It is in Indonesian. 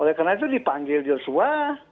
oleh karena itu dipanggil yosua